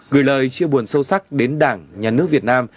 gửi lời chia buồn sâu sắc đến đảng nhà nước việt nam